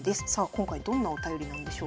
今回どんなお便りなんでしょうか。